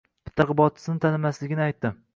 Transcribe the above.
Targ‘ibotchisini tanimasligini aytdi.